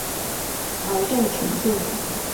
劳动群众。